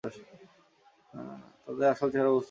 তাদের আসল চেহারা বুঝতে পারতো।